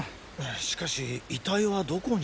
しかし遺体はどこに？